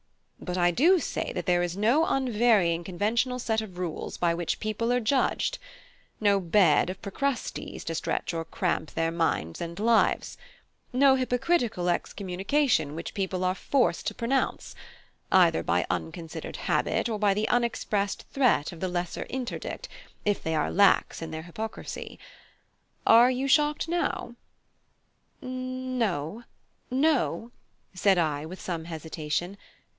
But I do say that there is no unvarying conventional set of rules by which people are judged; no bed of Procrustes to stretch or cramp their minds and lives; no hypocritical excommunication which people are forced to pronounce, either by unconsidered habit, or by the unexpressed threat of the lesser interdict if they are lax in their hypocrisy. Are you shocked now?" "N o no," said I, with some hesitation.